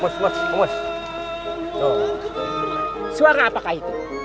suara apakah itu